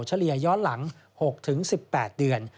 เฉลี่ยย้อนหลัง๖๑๘เดือน